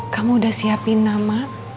kamu udah siapin nama